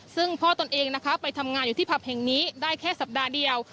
ซึ่งพ่อตนเองนะคะไปทำงานอยู่ที่ผับแห่งนี้ได้แค่สัปดาห์เดียว